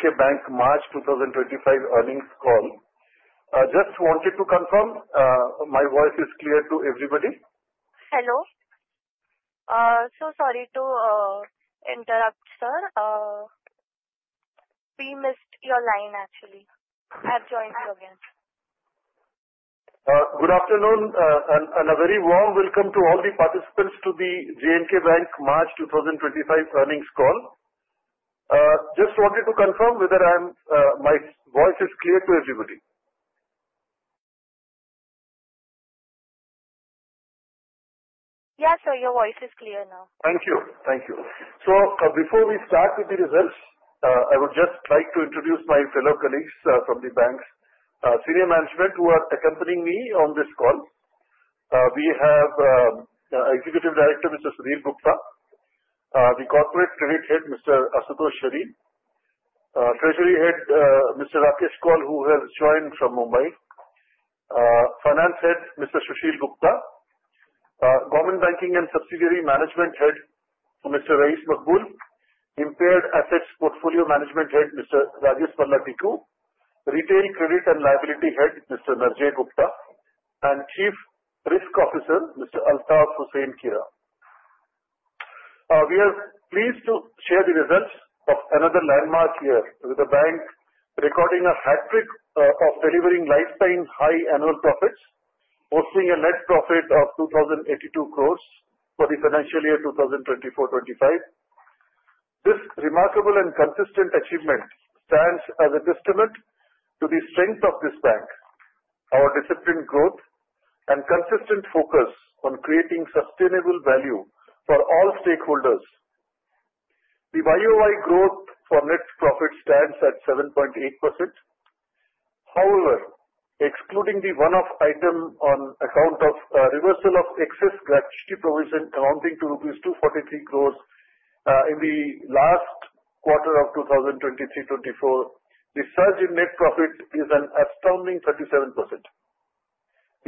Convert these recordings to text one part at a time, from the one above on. J&K Bank March 2025 earnings call. Just wanted to confirm, my voice is clear to everybody? Hello. So sorry to interrupt, sir. We missed your line, actually. I've joined you again. Good afternoon and a very warm welcome to all the participants to the J&K Bank March 2025 earnings call. Just wanted to confirm whether my voice is clear to everybody. Yes, sir. Your voice is clear now. Thank you. Thank you. So before we start with the results, I would just like to introduce my fellow colleagues from the bank's senior management who are accompanying me on this call. We have Executive Director Mr. Sudhir Gupta, the Corporate Credit Head Mr. Ashutosh Sareen, Treasury Head Mr. Rakesh Koul who has joined from Mumbai, Finance Head Mr. Sushil Gupta, Government Banking and Subsidiary Management Head Mr. Rayees Maqbool, Impaired Assets Portfolio Management Head Mr. Rajesh Tikoo, Retail Credit and Liability Head Mr. Narjay Gupta, and Chief Risk Officer Mr. Altaf Hussain. We are pleased to share the results of another landmark year with the bank recording a hat trick of delivering lifetime high annual profits, posting a net profit of 2,082 crore for the financial year 2024-2025. This remarkable and consistent achievement stands as a testament to the strength of this bank, our disciplined growth, and consistent focus on creating sustainable value for all stakeholders. The YoY growth for net profit stands at 7.8%. However, excluding the one-off item on account of reversal of excess gratuity provision amounting to rupees 243 crore in the last quarter of 2023-2024, the surge in net profit is an astounding 37%.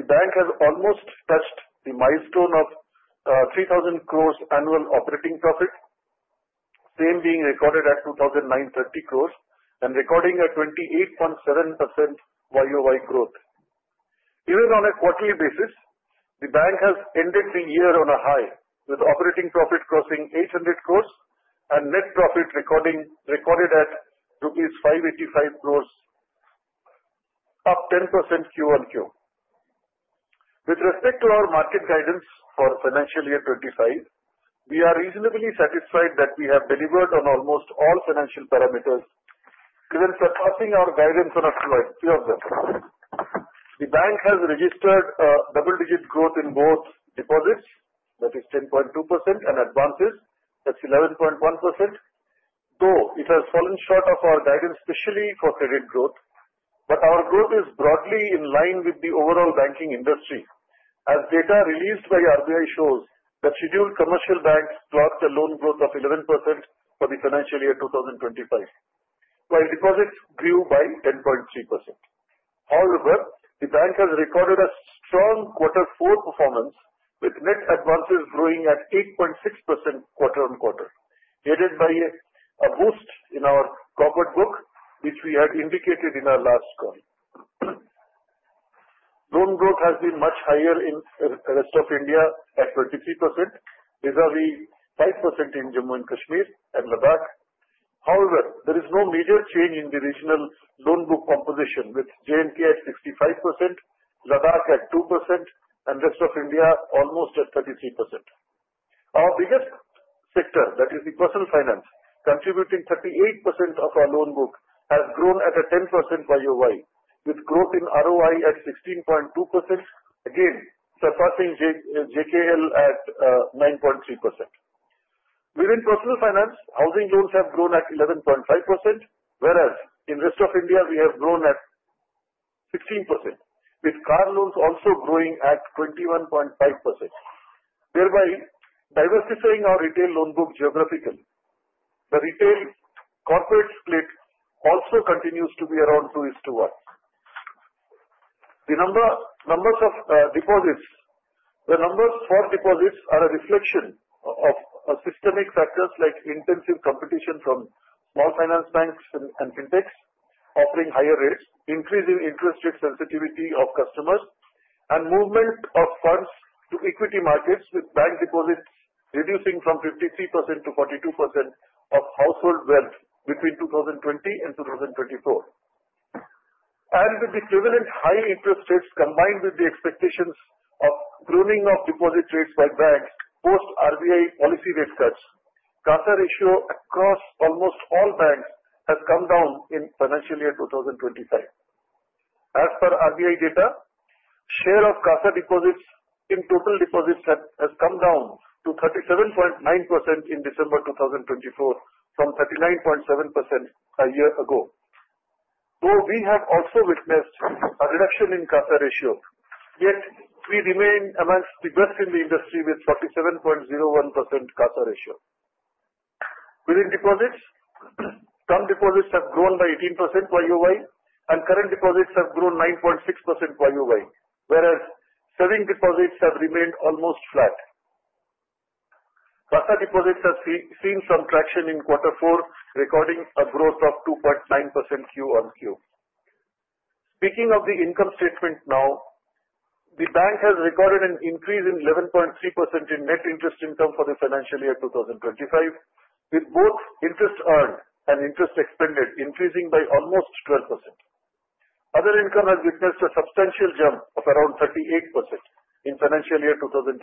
The bank has almost touched the milestone of 3,000 crore annual operating profit, same being recorded at 2,930 crore and recording a 28.7% YoY growth. Even on a quarterly basis, the bank has ended the year on a high with operating profit crossing 800 crore and net profit recorded at rupees 585 crore, up 10% QoQ. With respect to our market guidance for financial year 2025, we are reasonably satisfied that we have delivered on almost all financial parameters even surpassing our guidance on a few of them. The bank has registered a double-digit growth in both deposits, that is 10.2%, and advances, that's 11.1%. Though it has fallen short of our guidance especially for credit growth, our growth is broadly in line with the overall banking industry as data released by RBI shows that scheduled commercial banks clocked a loan growth of 11% for the financial year 2025, while deposits grew by 10.3%. However, the bank has recorded a strong Q4 performance with net advances growing at 8.6% quarter on quarter, aided by a boost in our corporate book, which we had indicated in our last call. Loan growth has been much higher in the rest of India at 23%, vis-à-vis 5% in Jammu and Kashmir and Ladakh. However, there is no major change in the regional loan book composition with J&K at 65%, Ladakh at 2%, and the rest of India almost at 33%. Our biggest sector, that is the personal finance, contributing 38% of our loan book has grown at a 10% YoY with growth in ROI at 16.2%, again surpassing JKL at 9.3%. Within personal finance, housing loans have grown at 11.5%, whereas in the rest of India, we have grown at 16%, with car loans also growing at 21.5%. Thereby diversifying our retail loan book geographically, the retail corporate split also continues to be around 2:1. The numbers of deposits, the numbers for deposits are a reflection of systemic factors like intensive competition from small finance banks and fintechs offering higher rates, increasing interest rate sensitivity of customers, and movement of funds to equity markets with bank deposits reducing from 53% to 42% of household wealth between 2020 and 2024, and with the equivalent high interest rates combined with the expectations of pruning of deposit rates by banks post-RBI policy rate cuts, CASA ratio across almost all banks has come down in financial year 2025. As per RBI data, share of CASA deposits in total deposits has come down to 37.9% in December 2024 from 39.7% a year ago. Though we have also witnessed a reduction in CASA ratio, yet we remain among the best in the industry with 47.01% CASA ratio. Within deposits, term deposits have grown by 18% YoY, and current deposits have grown 9.6% YoY, whereas savings deposits have remained almost flat. CASA deposits have seen some traction in Q4, recording a growth of 2.9% QoQ. Speaking of the income statement now, the bank has recorded an increase in 11.3% in net interest income for the financial year 2025, with both interest earned and interest expended increasing by almost 12%. Other income has witnessed a substantial jump of around 38% in financial year 2025,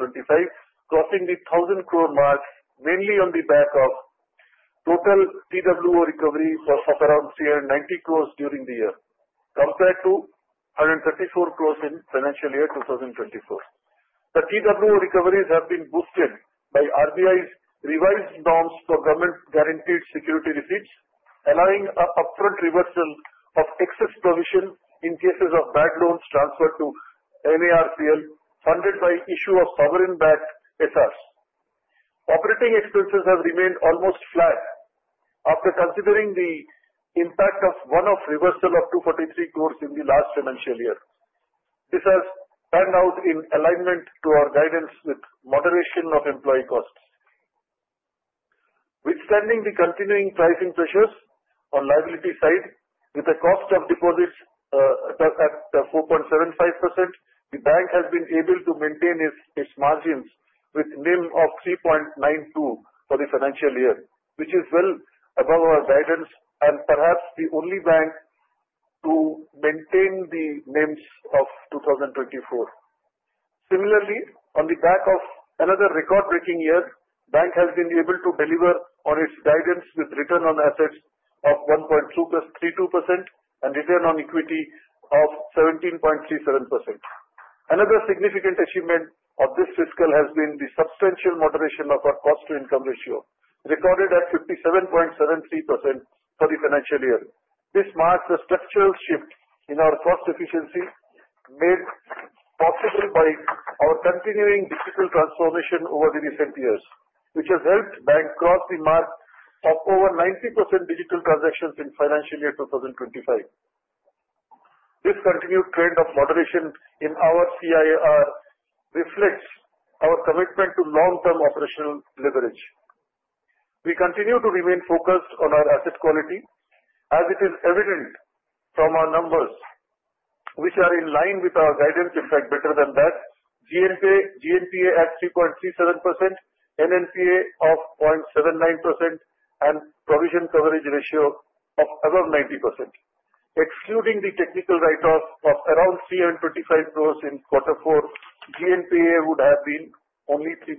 crossing the 1,000 crore mark mainly on the back of total TWO recovery of around 390 crore during the year compared to 134 crore in financial year 2024. The TWO recoveries have been boosted by RBI's revised norms for government-guaranteed security receipts, allowing an upfront reversal of excess provision in cases of bad loans transferred to NARCL funded by issue of sovereign-backed SRs. Operating expenses have remained almost flat after considering the impact of one-off reversal of 243 crore in the last financial year. This has panned out in alignment to our guidance with moderation of employee costs. Notwithstanding the continuing pricing pressures on liability side, with the cost of deposits at 4.75%, the bank has been able to maintain its margins with a NIM of 3.92% for the financial year, which is well above our guidance and perhaps the only bank to maintain the NIMs of 2024. Similarly, on the back of another record-breaking year, the bank has been able to deliver on its guidance with return on assets of 1.32% and return on equity of 17.37%. Another significant achievement of this fiscal year has been the substantial moderation of our cost-to-income ratio, recorded at 57.73% for the financial year. This marks a structural shift in our cost efficiency made possible by our continuing digital transformation over the recent years, which has helped the bank cross the mark of over 90% digital transactions in financial year 2025. This continued trend of moderation in our CIR reflects our commitment to long-term operational leverage. We continue to remain focused on our asset quality, as it is evident from our numbers, which are in line with our guidance, in fact, better than that: GNPA at 3.37%, NNPA of 0.79%, and provision coverage ratio of above 90%. Excluding the technical write-off of around 325 crore in Q4, GNPA would have been only 3.67%.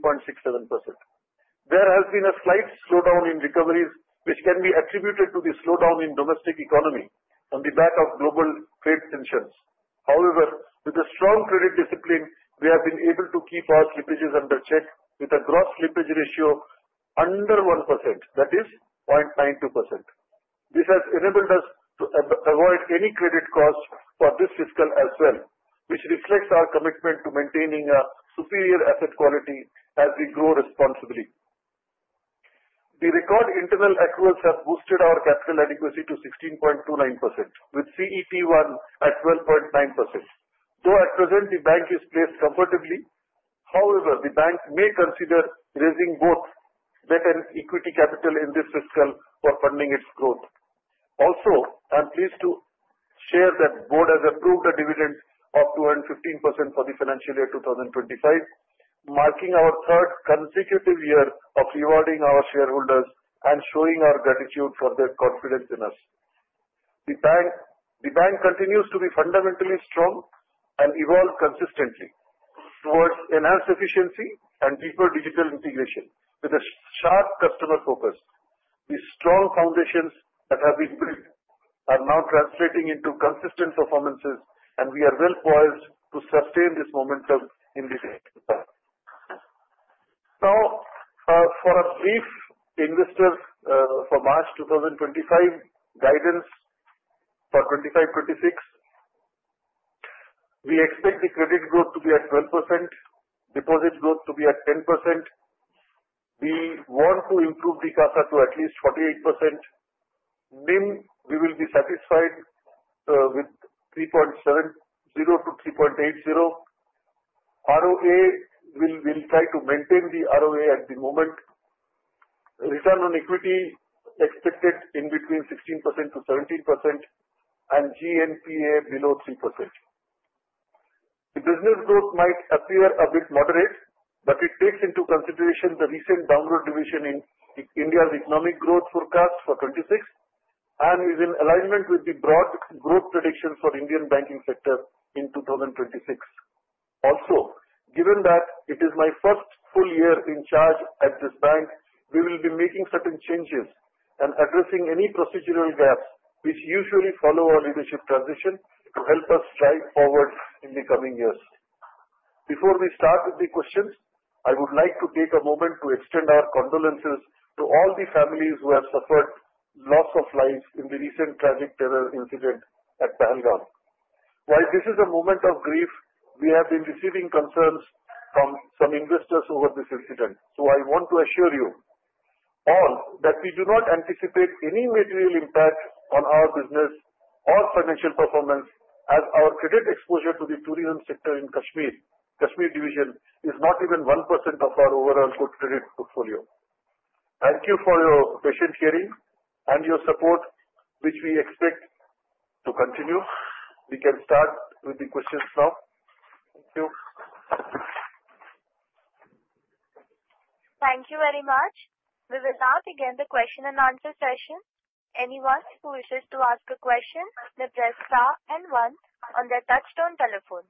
There has been a slight slowdown in recoveries, which can be attributed to the slowdown in domestic economy on the back of global trade tensions. However, with a strong credit discipline, we have been able to keep our slippages under check with a gross slippage ratio under 1%, that is 0.92%. This has enabled us to avoid any credit costs for this fiscal as well, which reflects our commitment to maintaining a superior asset quality as we grow responsibly. The record internal accruals have boosted our capital adequacy to 16.29%, with CET1 at 12.9%. Though at present, the bank is placed comfortably, however, the bank may consider raising both debt and equity capital in this fiscal for funding its growth. Also, I'm pleased to share that the board has approved a dividend of 215% for the financial year 2025, marking our third consecutive year of rewarding our shareholders and showing our gratitude for their confidence in us. The bank continues to be fundamentally strong and evolve consistently towards enhanced efficiency and deeper digital integration with a sharp customer focus. The strong foundations that have been built are now translating into consistent performances, and we are well poised to sustain this momentum in the next quarter. Now, for a brief investor guidance for March 2025 for 2025-2026, we expect the credit growth to be at 12%, deposit growth to be at 10%. We want to improve the CASA to at least 48%. NIM, we will be satisfied with 3.70%-3.80%. ROA, we'll try to maintain the ROA at the moment. Return on equity expected in between 16%-17% and GNPA below 3%. The business growth might appear a bit moderate, but it takes into consideration the recent downward revision in India's economic growth forecast for 2026 and is in alignment with the broad growth predictions for the Indian banking sector in 2026. Also, given that it is my first full year in charge at this bank, we will be making certain changes and addressing any procedural gaps which usually follow our leadership transition to help us strive forward in the coming years. Before we start with the questions, I would like to take a moment to extend our condolences to all the families who have suffered loss of life in the recent tragic terror incident at Pahalgam. While this is a moment of grief, we have been receiving concerns from some investors over this incident. So I want to assure you all that we do not anticipate any material impact on our business or financial performance as our credit exposure to the tourism sector in Kashmir, Kashmir division, is not even 1% of our overall credit portfolio. Thank you for your patient hearing and your support, which we expect to continue. We can start with the questions now. Thank you. Thank you very much. We will now begin the question and answer session. Anyone who wishes to ask a question may press star and one on their touch-tone telephone.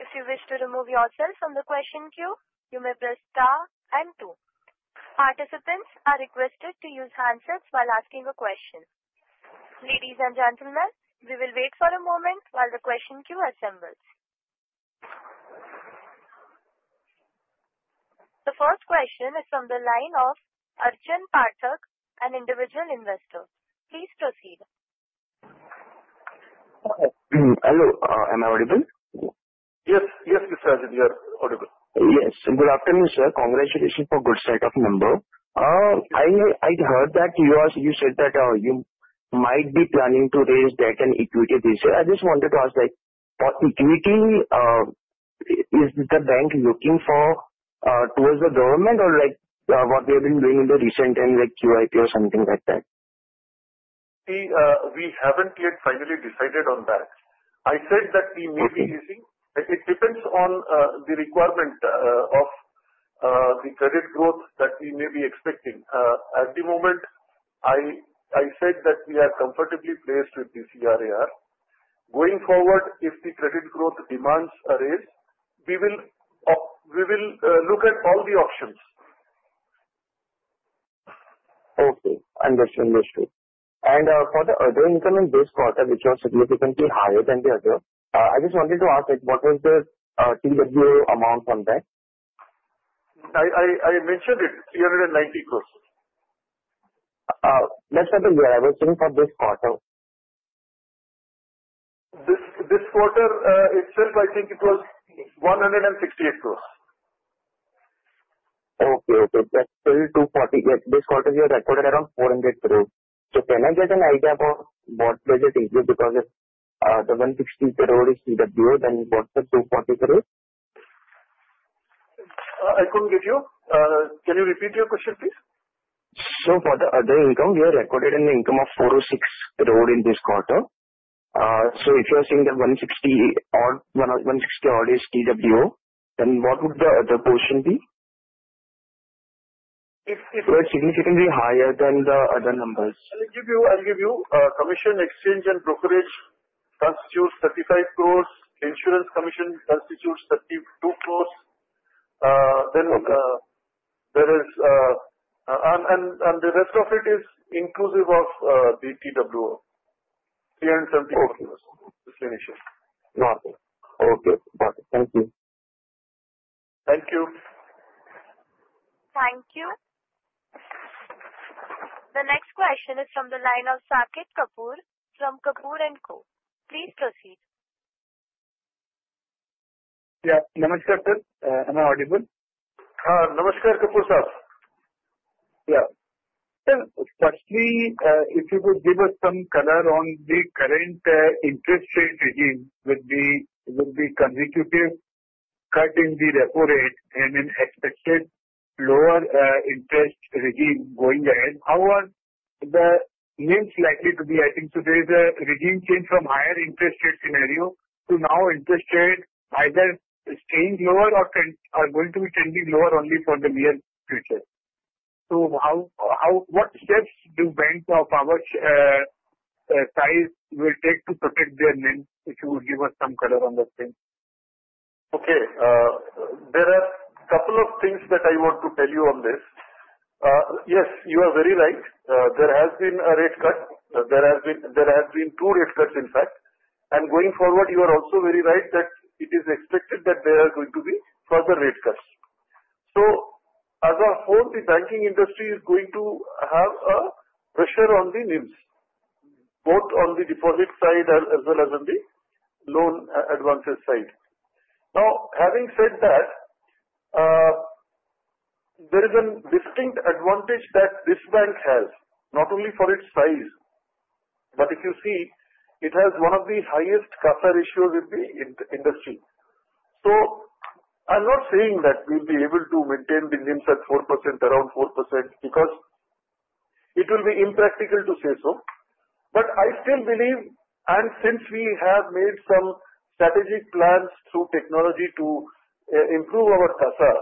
If you wish to remove yourself from the question queue, you may press star and two. Participants are requested to use handsets while asking a question. Ladies and gentlemen, we will wait for a moment while the question queue assembles. The first question is from the line of Archan Pathak, an individual investor. Please proceed. Hello. Am I audible? Yes. Yes, you're audible. Yes. Good afternoon, sir. Congratulations for a good set of numbers. I heard that you said that you might be planning to raise debt and equity this year. I just wanted to ask, for equity, is the bank looking towards the government or what they have been doing in the recent times, like QIP or something like that? We haven't yet finally decided on that. I said that we may be raising. It depends on the requirement of the credit growth that we may be expecting. At the moment, I said that we are comfortably placed with the CRAR. Going forward, if the credit growth demands are raised, we will look at all the options. Okay. Understood. Understood. For the other income in this quarter, which was significantly higher than the other, I just wanted to ask, what was the TWO amount on that? I mentioned it, 390 crore. Let's start with the ROI for this quarter. This quarter itself, I think it was 168 crore. Okay. Okay. That's 240. This quarter, you recorded around 400 crore. Can I get an idea about what does it increase? Because if the 160 crore is TWO, then what's the 240 crore? I couldn't get you. Can you repeat your question, please? For the other income, we have recorded an income of 406 crore in this quarter. If you are seeing the 160 crore TWO, then what would the other portion be? If it's significantly higher than the other numbers? I'll give you commission, exchange, and brokerage constitutes 35 crore. Insurance commission constitutes 32 crore. Then there is and the rest of it is inclusive of the 2,374 crore. Okay. Okay. Got it. Thank you. Thank you. Thank you. The next question is from the line of Saket Kapoor, from Kapoor & Co. Please proceed. Yeah. Namaskar, sir. Am I audible? Namaskar, Kapoor Sahib. Yeah. Sir, firstly, if you could give us some color on the current interest rate regime with the consecutive cut in the repo rate and an expected lower interest regime going ahead. How will the NIM likely be? I think today's regime changed from higher interest rate scenario to now interest rate either staying lower or going to be trending lower only for the near future. So what steps do banks of our size will take to protect their NIM? If you would give us some color on that thing. Okay. There are a couple of things that I want to tell you on this. Yes, you are very right. There has been a rate cut. There have been two rate cuts, in fact, and going forward, you are also very right that it is expected that there are going to be further rate cuts, so as a whole, the banking industry is going to have a pressure on the NIMs, both on the deposit side as well as on the loan advances side. Now, having said that, there is a distinct advantage that this bank has, not only for its size, but if you see, it has one of the highest CASA ratios in the industry, so I'm not saying that we'll be able to maintain the NIMs at around 4% because it will be impractical to say so. But I still believe, and since we have made some strategic plans through technology to improve our CASA,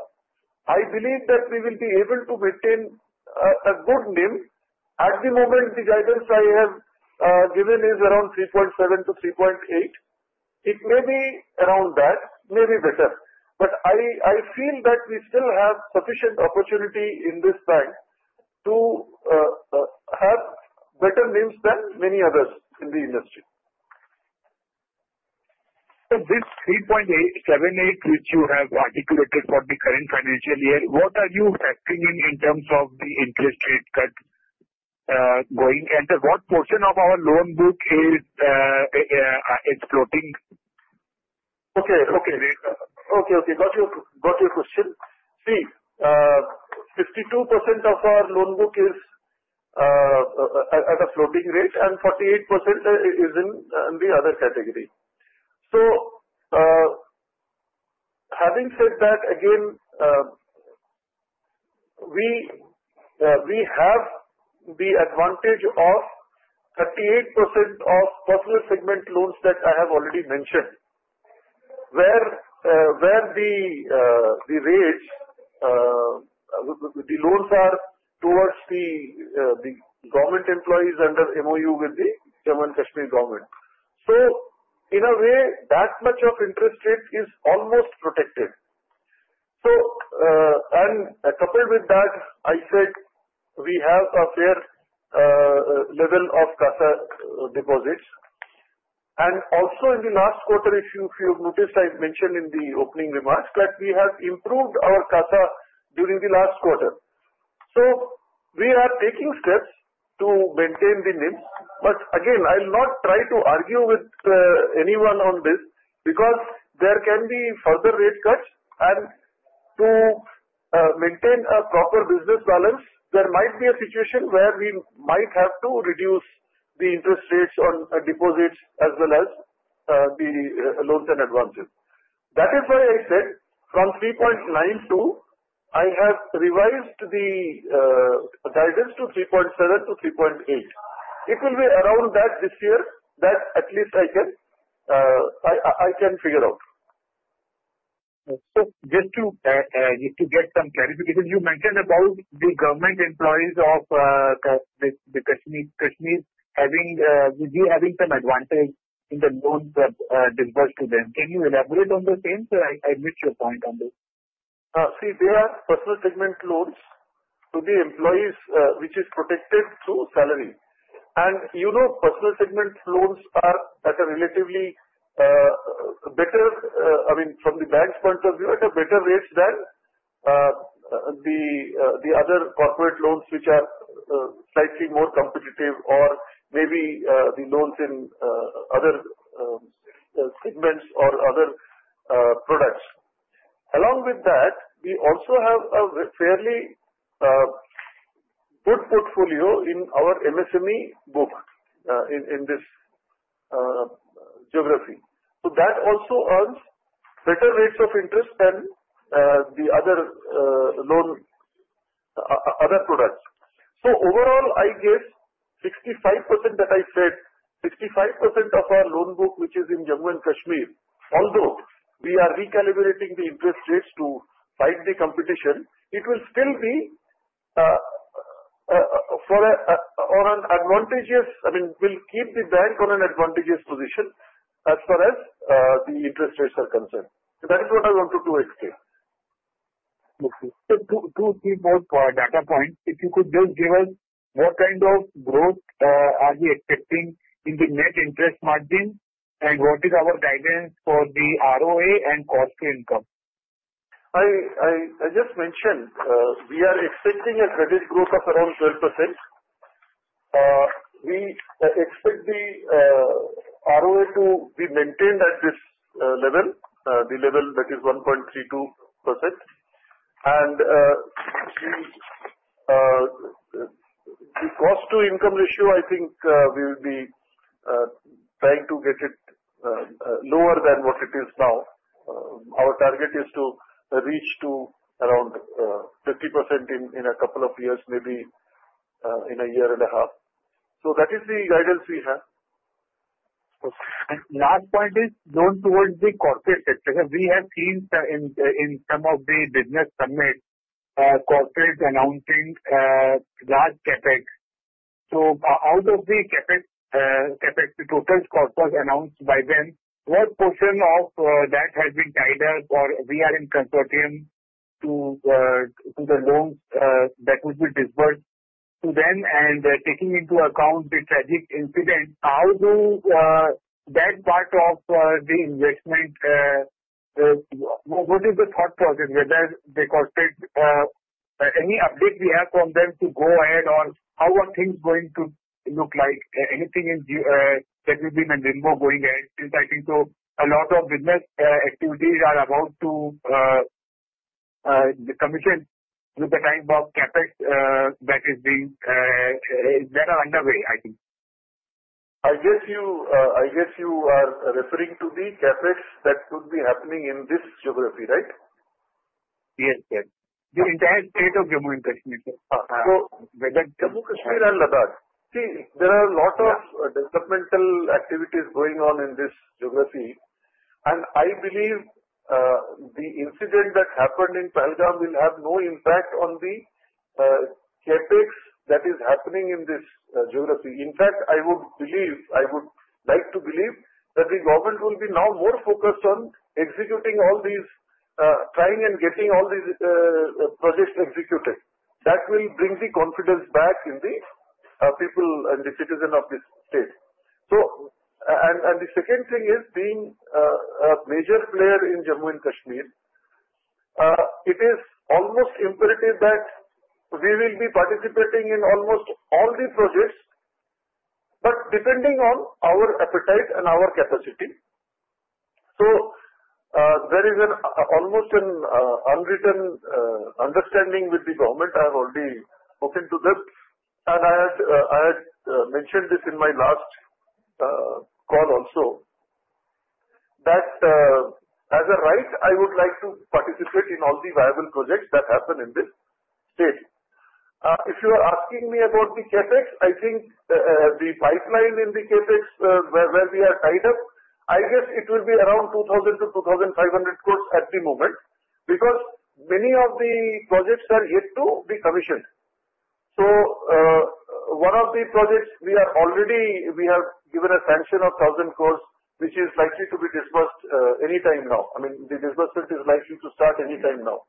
I believe that we will be able to maintain a good NIM. At the moment, the guidance I have given is around 3.7%-3.8%. It may be around that, maybe better. But I feel that we still have sufficient opportunity in this bank to have better NIMs than many others in the industry. So this 3.78%, which you have articulated for the current financial year, what are you factoring in in terms of the interest rate cut going? And what portion of our loan book is floating? Okay. Okay. Okay. Got your question. See, 52% of our loan book is at a floating rate, and 48% is in the other category. So having said that, again, we have the advantage of 38% of personal segment loans that I have already mentioned, where the loans are towards the government employees under MOU with the Jammu and Kashmir government. So in a way, that much of interest rate is almost protected. And coupled with that, I said we have a fair level of CASA deposits. And also in the last quarter, if you have noticed, I mentioned in the opening remarks that we have improved our CASA during the last quarter. So we are taking steps to maintain the NIMs. But again, I'll not try to argue with anyone on this because there can be further rate cuts. And to maintain a proper business balance, there might be a situation where we might have to reduce the interest rates on deposits as well as the loans and advances. That is why I said from 3.92%, I have revised the guidance to 3.7%-3.8%. It will be around that this year that at least I can figure out. So just to get some clarification, you mentioned about the government employees of Kashmir having some advantage in the loans that are disbursed to them. Can you elaborate on the same, sir? I missed your point on this. See, there are personal segment loans to the employees, which is protected through salary. And personal segment loans are at a relatively better, I mean, from the bank's point of view, at a better rate than the other corporate loans, which are slightly more competitive, or maybe the loans in other segments or other products. Along with that, we also have a fairly good portfolio in our MSME book in this geography. So that also earns better rates of interest than the other loan products. So overall, I guess 65% that I said, 65% of our loan book, which is in Jammu and Kashmir, although we are recalibrating the interest rates to fight the competition, it will still be on an advantageous, I mean, will keep the bank on an advantageous position as far as the interest rates are concerned. So that is what I wanted to explain. Okay. So to keep both data points, if you could just give us what kind of growth are we expecting in the net interest margin and what is our guidance for the ROA and cost to income? I just mentioned we are expecting a credit growth of around 12%. We expect the ROA to be maintained at this level, the level that is 1.32%.The cost-to-income ratio, I think we will be trying to get it lower than what it is now. Our target is to reach to around 30% in a couple of years, maybe in a year and a half. So that is the guidance we have. The last point is loan towards the corporate sector. We have seen in some of the business summits, corporate announcing large CapEx. So out of the CapEx, the total corporate announced by them, what portion of that has been tied up or we are in consortium to the loans that would be disbursed to them? And taking into account the tragic incident, how do that part of the investment, what is the thought process, whether the corporate, any update we have from them to go ahead or how are things going to look like? Anything that will be in a limbo going ahead? Since I think a lot of business activities are about to commission with the kind of CapEx that are underway, I think. I guess you are referring to the CapEx that could be happening in this geography, right? Yes, sir. The entire state of Jammu and Kashmir, sir. So whether Jammu and Kashmir and Ladakh, see, there are a lot of developmental activities going on in this geography. And I believe the incident that happened in Pahalgam will have no impact on the CapEx that is happening in this geography. In fact, I would believe, I would like to believe that the government will be now more focused on executing all these, trying and getting all these projects executed. That will bring the confidence back in the people and the citizens of this state. The second thing is being a major player in Jammu and Kashmir, it is almost imperative that we will be participating in almost all the projects, but depending on our appetite and our capacity. So there is almost an unwritten understanding with the government. I have already spoken to them. I had mentioned this in my last call also, that as a right, I would like to participate in all the viable projects that happen in this state. If you are asking me about the CapEx, I think the pipeline in the CapEx where we are tied up, I guess it will be around 2,000-2,500 crore at the moment because many of the projects are yet to be commissioned. One of the projects we are already, we have given a sanction of 1,000 crore, which is likely to be disbursed anytime now. I mean, the disbursement is likely to start anytime now.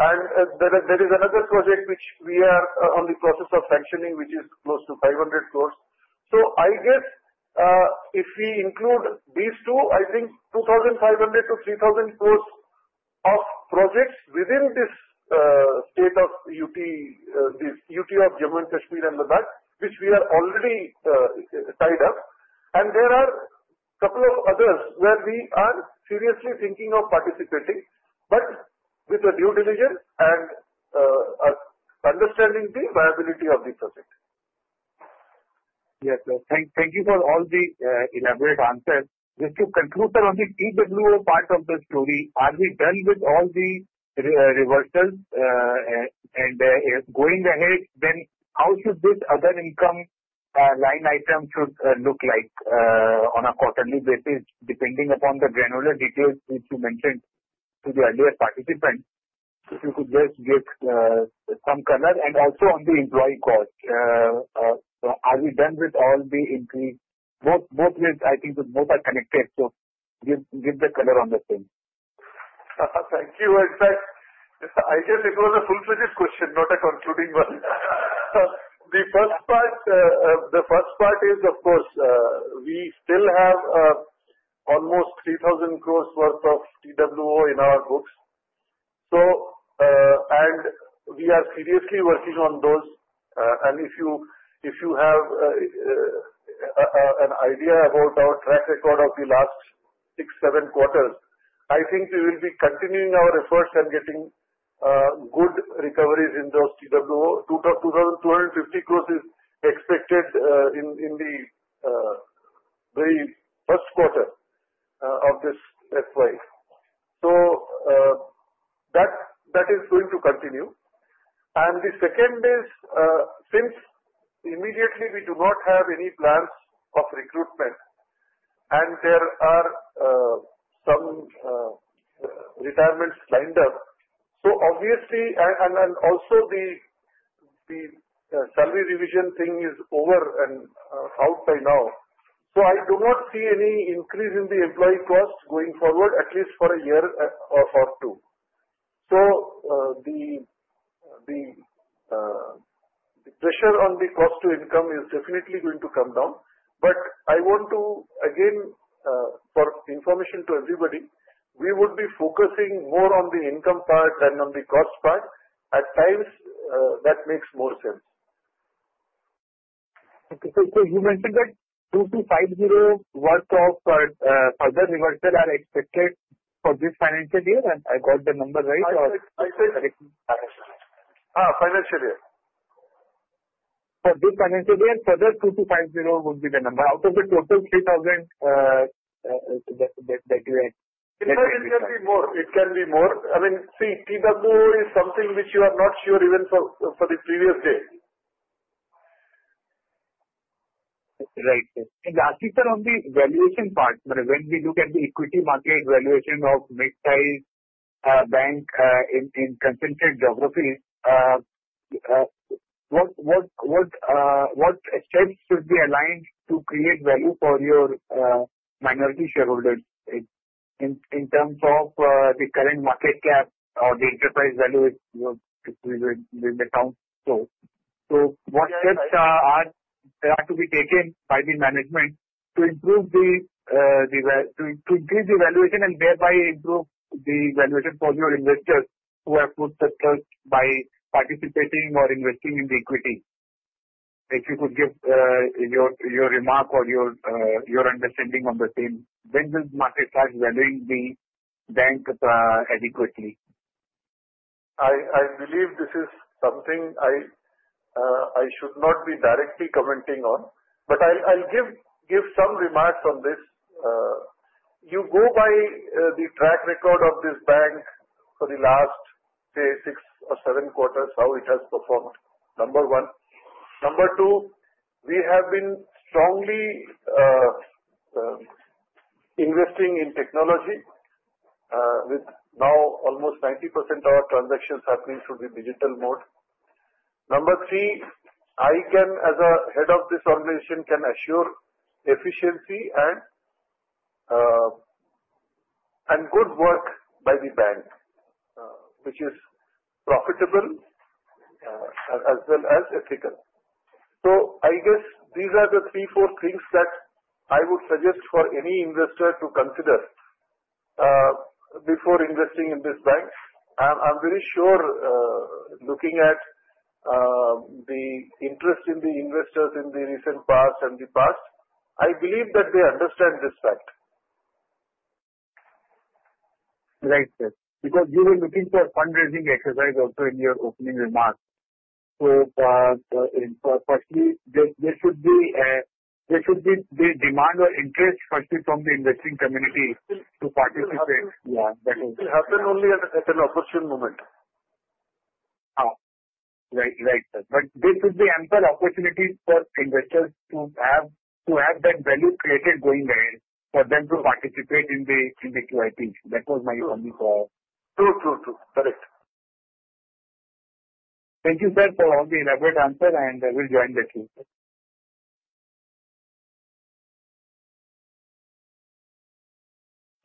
And there is another project which we are on the process of sanctioning, which is close to 500 crore. So I guess if we include these two, I think 2,500 crore to 3,000 crore of projects within this state of UT, this UT of Jammu and Kashmir and Ladakh, which we are already tied up. And there are a couple of others where we are seriously thinking of participating, but with a due diligence and understanding the viability of the project. Yes, sir. Thank you for all the elaborate answers. Just to conclude on the TWO part of the story, are we done with all the reversals and going ahead? Then how should this other income line item look like on a quarterly basis, depending upon the granular details which you mentioned to the earlier participants? If you could just give some color and also on the employee cost, are we done with all the increase, both with, I think both are connected? So give the color on the same. Thank you. In fact, I guess it was a full-fledged question, not a concluding one. The first part, the first part is, of course, we still have almost 3,000 crore worth of TWO in our books. And we are seriously working on those. And if you have an idea about our track record of the last six, seven quarters, I think we will be continuing our efforts and getting good recoveries in those TWO. 2,250 crore is expected in the very first quarter of this FY. So that is going to continue. And the second is, since immediately we do not have any plans of recruitment and there are some retirements lined up, so obviously, and also the salary revision thing is over and out by now. So I do not see any increase in the employee cost going forward, at least for a year or two. So the pressure on the cost to income is definitely going to come down. But I want to, again, for information to everybody, we would be focusing more on the income part than on the cost part. At times, that makes more sense. So you mentioned that 2,250 worth of further reversal are expected for this financial year? And I got the number right or? I said financial year. For this financial year, further 2,250 would be the number out of the total 3,000 that you had. It can be more. It can be more. I mean, see, TWO is something which you are not sure even for the previous day. Right. Lastly, sir, on the valuation part, when we look at the equity market valuation of mid-sized bank in contested geographies, what steps should be aligned to create value for your minority shareholders in terms of the current market cap or the enterprise value if we will be counted? So what steps are there to be taken by the management to improve to increase the valuation and thereby improve the valuation for your investors who have put the trust by participating or investing in the equity? If you could give your remark or your understanding on the same. When will market start valuing the bank adequately? I believe this is something I should not be directly commenting on, but I'll give some remarks on this. You go by the track record of this bank for the last, say, six or seven quarters, how it has performed. Number one. Number two, we have been strongly investing in technology with now almost 90% of our transactions happening through the digital mode. Number three, I can, as a head of this organization, can assure efficiency and good work by the bank, which is profitable as well as ethical. So I guess these are the three, four things that I would suggest for any investor to consider before investing in this bank. I'm very sure looking at the interest in the investors in the recent past and the past, I believe that they understand this fact. Right, sir. Because you were looking for fundraising exercise also in your opening remarks. So firstly, there should be the demand or interest firstly from the investing community to participate. It will happen only at an opportune moment. Right, right, sir. But there should be ample opportunities for investors to have that value created going ahead for them to participate in the QIP. That was my only thought. True, true, true. Correct. Thank you, sir, for all the elaborate answer, and I will join the queue.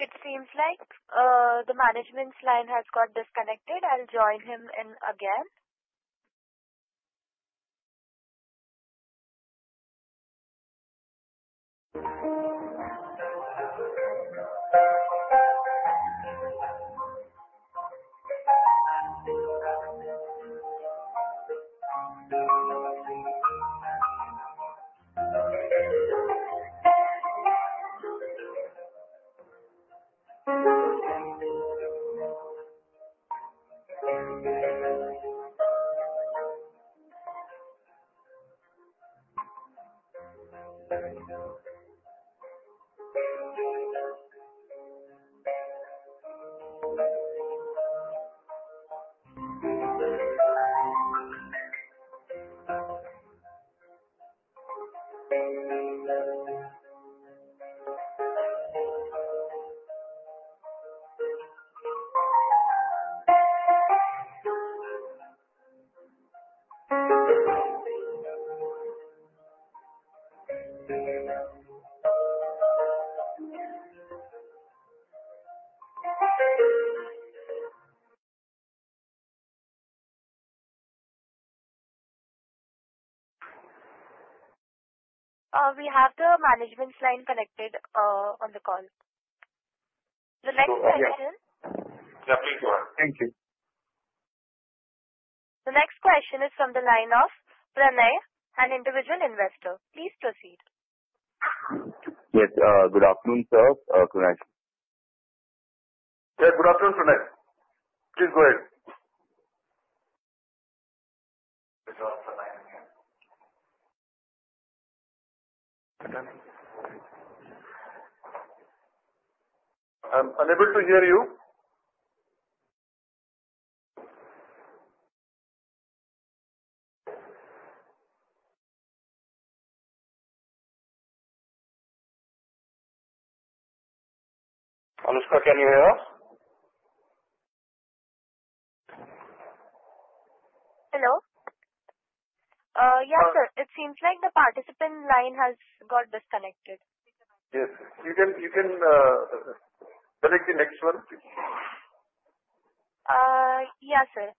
It seems like the management's line has got disconnected. I'll join him in again. We have the management's line connected on the call. The next question is from. Oh, yeah. Yeah. Please go on. Thank you. The next question is from the line of Pranay, an individual investor. Please proceed. Yes. Good afternoon, sir, Pranay— Yeah. Good afternoon, Pranay. Please go ahead. I'm unable to hear you. Anushka, can you hear us? Hello. Yes, sir. It seems like the participant line has got disconnected. Yes, sir. You can select the next one. Yes, sir.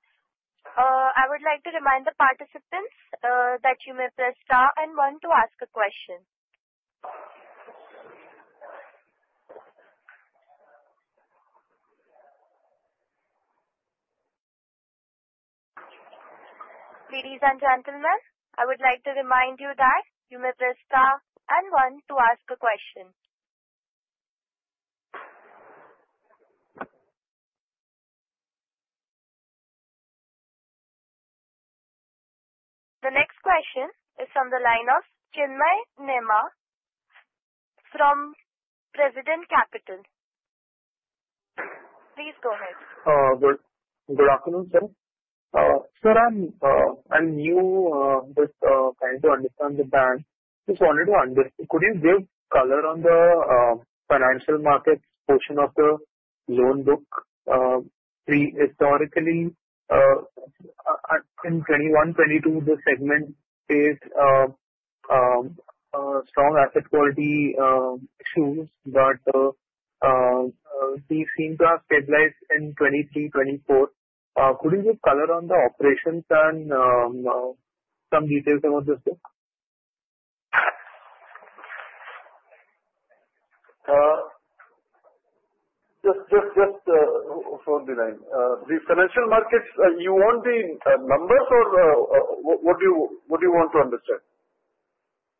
I would like to remind the participants that you may press star and one to ask a question. Ladies and gentlemen, I would like to remind you that you may press star and one to ask a question. The next question is from the line of Chinmay Nema from Prescient Capital. Please go ahead. Good afternoon, sir. Sir, I'm new with trying to understand the bank. Just wanted to understand, could you give color on the financial markets portion of the loan book? Historically, in 2021, 2022, the segment faced strong asset quality issues, but they seem to have stabilized in 2023, 2024. Could you give color on the operations and some details about this book? Just for the line. The financial markets, you want the numbers or what do you want to understand?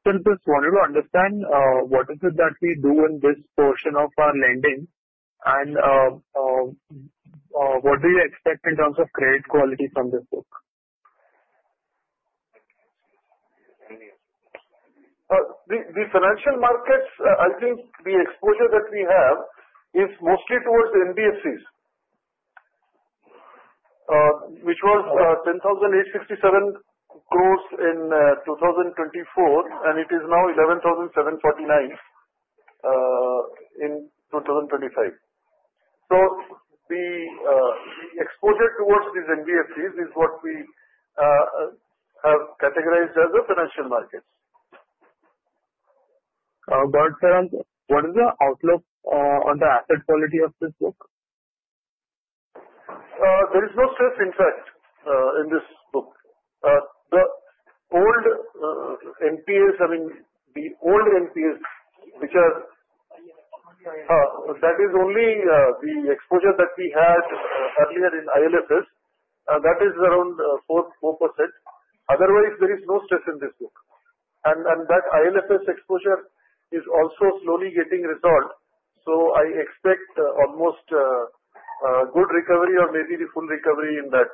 I just wanted to understand what is it that we do in this portion of our lending and what do you expect in terms of credit quality from this book? The financial markets, I think the exposure that we have is mostly towards NBFCs, which was 10,867 crore in 2024, and it is now 11,749 crore in 2025. So the exposure towards these NBFCs is what we have categorized as the financial markets. But sir, what is the outlook on the asset quality of this book? There is no stress, in fact, in this book. The old NPAs, I mean, the old NPAs, which are that is only the exposure that we had earlier in IL&FS, that is around 4%. Otherwise, there is no stress in this book. And that IL&FS exposure is also slowly getting resolved. So I expect almost good recovery or maybe the full recovery in that.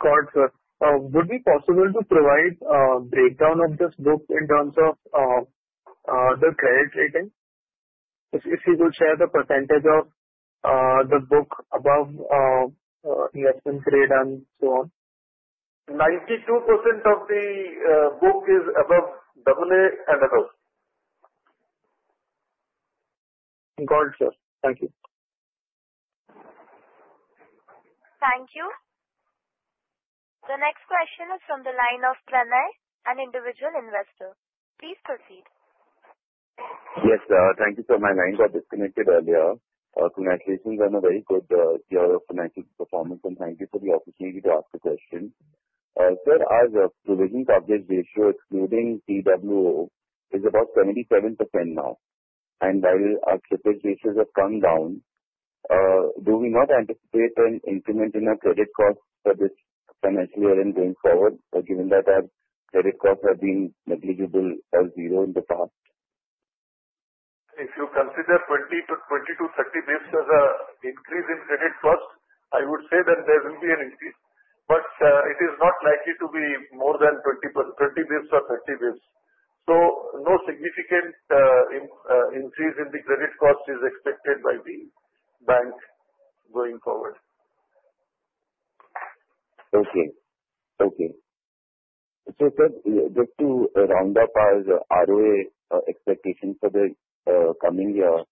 Got it, sir. Would it be possible to provide a breakdown of this book in terms of the credit rating? If you could share the percentage of the book above investment grade and so on. Ok, 92% of the book is above AA and above. Got it, sir. Thank you. Thank you. The next question is from the line of Pranay, an individual investor. Please proceed. Yes, sir. Thank you, sir. My line got disconnected earlier. Financials are in a very good year of financial performance, and thank you for the opportunity to ask the question. Sir, our Provision Coverage Ratio, excluding TWO, is about 77% now, and while our coverage ratios have come down, do we not anticipate an increment in our credit costs for this financial year and going forward, given that our credit costs have been negligible or zero in the past? If you consider 20-30 basis points as an increase in credit costs, I would say that there will be an increase. But it is not likely to be more than 20 basis points or 30 basis points. So no significant increase in the credit costs is expected by the bank going forward. Okay. Okay. So sir, just to round up our ROA expectations for the coming year,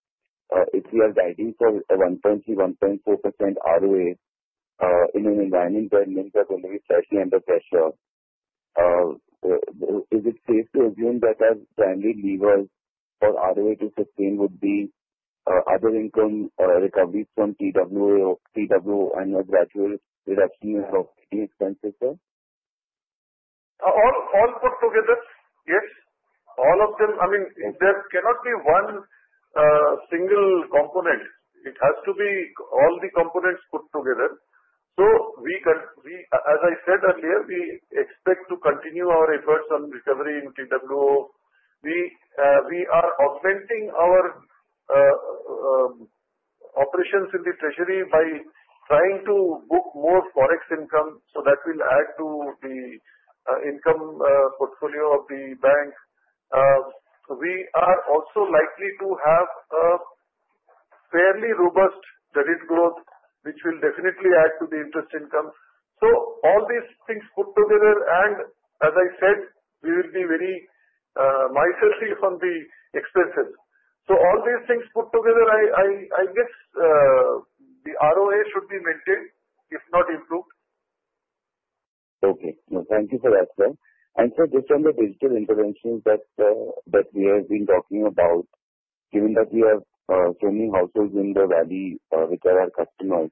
if we are guiding for a 1.3%-1.4% ROA in an environment where NIM is already slightly under pressure, is it safe to assume that our primary levers for ROA to sustain would be other income recoveries from TWO and a gradual reduction in our operating expenses, sir? All put together, yes. All of them. I mean, there cannot be one single component. It has to be all the components put together. So as I said earlier, we expect to continue our efforts on recovery in Q2. We are augmenting our operations in the treasury by trying to book more forex income so that will add to the income portfolio of the bank. We are also likely to have a fairly robust credit growth, which will definitely add to the interest income. So all these things put together, and as I said, we will be very much safe on the expenses. So all these things put together, I guess the ROA should be maintained, if not improved. Okay. Thank you for that, sir. And sir, just on the digital interventions that we have been talking about, given that we have so many households in the valley which are our customers,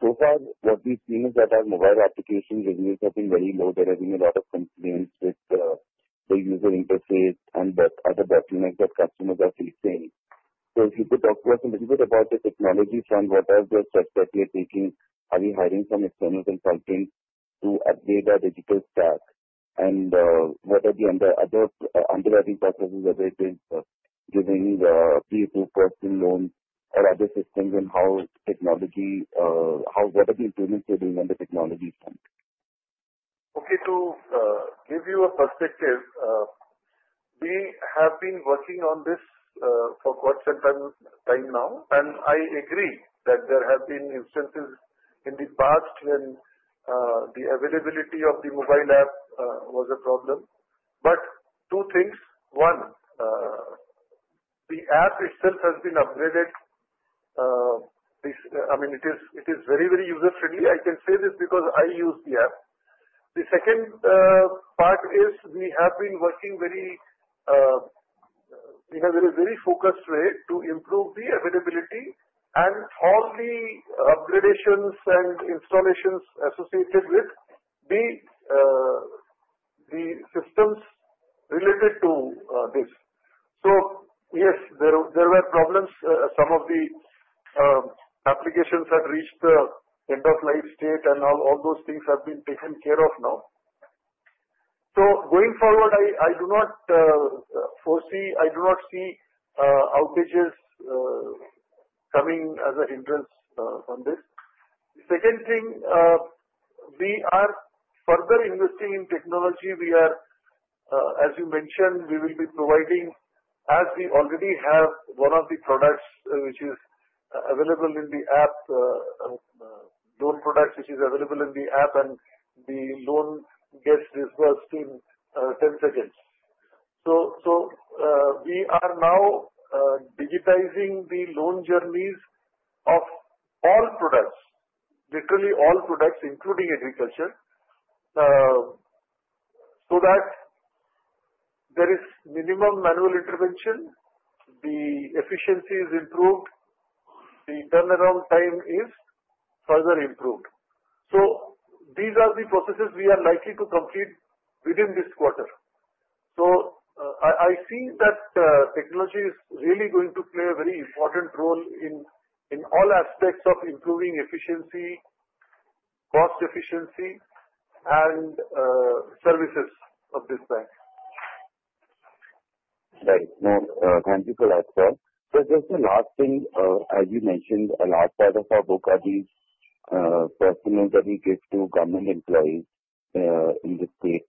so far, what we've seen is that our mobile application revenues have been very low. There have been a lot of complaints with the user interface and other bottlenecks that customers are facing. So if you could talk to us a little bit about the technology front, what are the steps that we are taking? Are we hiring some external consultants to update our digital stack? And what are the other underwriting processes as it is giving the pre-approved personal loans or other systems and how technology what are the improvements we're doing on the technology front? Okay. To give you a perspective, we have been working on this for quite some time now. And I agree that there have been instances in the past when the availability of the mobile app was a problem. But two things. One, the app itself has been upgraded. I mean, it is very, very user-friendly. I can say this because I use the app. The second part is we have been working very in a very focused way to improve the availability and all the upgradations and installations associated with the systems related to this. So yes, there were problems. Some of the applications had reached the end-of-life state, and all those things have been taken care of now. So going forward, I do not foresee. I do not see outages coming as a hindrance on this. Second thing, we are further investing in technology. As you mentioned, we will be providing, as we already have, one of the products which is available in the app, loan products which is available in the app, and the loan gets disbursed in 10 seconds. So we are now digitizing the loan journeys of all products, literally all products, including agriculture, so that there is minimum manual intervention, the efficiency is improved, the turnaround time is further improved. So these are the processes we are likely to complete within this quarter. So I see that technology is really going to play a very important role in all aspects of improving efficiency, cost efficiency, and services of this bank. Right. No, thank you for that, sir. So just the last thing, as you mentioned, a large part of our book are these personal loans that we give to government employees in the state.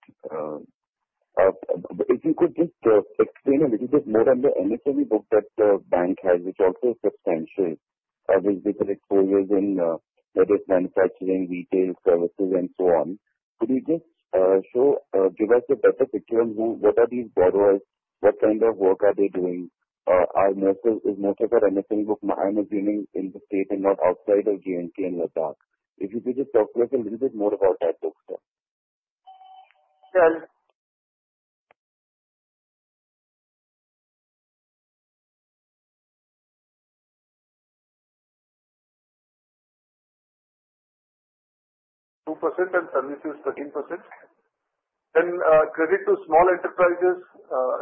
If you could just explain a little bit more on the MSME book that the bank has, which also is substantial, with different exposures in manufacturing, retail, services, and so on. Could you just give us a better picture on what are these borrowers, what kind of work are they doing? Is most of our MSME book, I'm assuming, in the state and not outside of J&K and Ladakh? If you could just talk to us a little bit more about that, sir. Sir, 2% and services, 13%. Then credit to small enterprises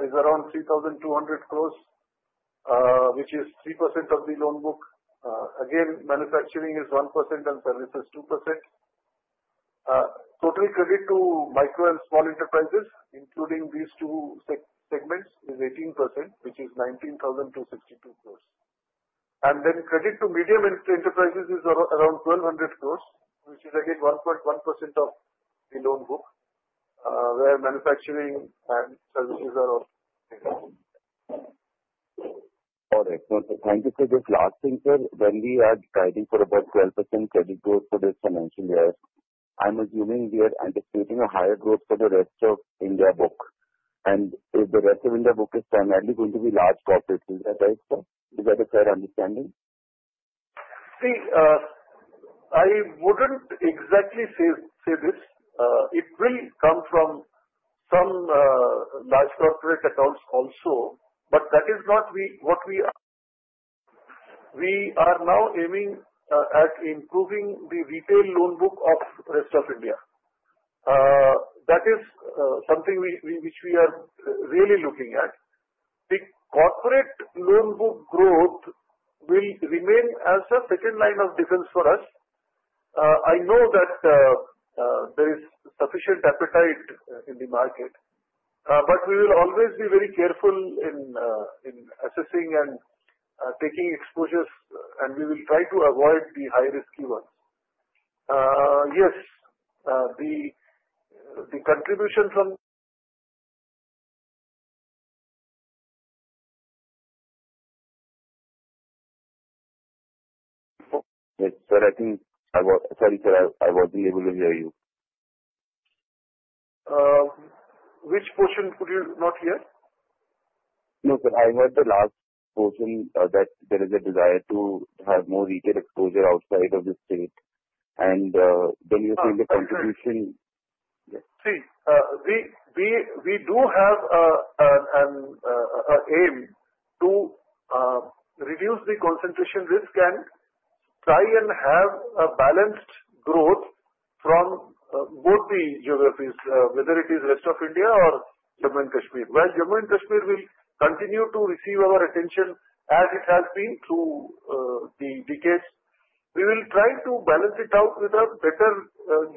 is around 3,200 crore, which is 3% of the loan book. Again, manufacturing is 1% and services 2%. Total credit to micro and small enterprises, including these two segments, is 18%, which is 19,262 crore. And then credit to medium enterprises is around 1,200 crore, which is, again, 1.1% of the loan book, where manufacturing and services are all. Got it. Thank you for this last thing, sir. When we are guiding for about 12% credit growth for this financial year, I'm assuming we are anticipating a higher growth for the rest of India book, and if the rest of India book is primarily going to be large corporates, is that right, sir? Is that a fair understanding? See, I wouldn't exactly say this. It will come from some large corporate accounts also, but that is not what we are now aiming at improving the retail loan book of the rest of India. That is something which we are really looking at. The corporate loan book growth will remain as a second line of defense for us. I know that there is sufficient appetite in the market, but we will always be very careful in assessing and taking exposures, and we will try to avoid the high-risk ones. Yes, the contribution from— Yes, sir. I think I was sorry, sir. I wasn't able to hear you. Which portion could you not hear? No, sir. I heard the last portion that there is a desire to have more retail exposure outside of the state, and then you said the contribution. Yes. See, we do have an aim to reduce the concentration risk and try and have a balanced growth from both the geographies, whether it is rest of India or Jammu and Kashmir. While Jammu and Kashmir will continue to receive our attention as it has been through the decades, we will try to balance it out with a better